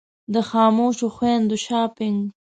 د خاموشو خویندو شاپنګ.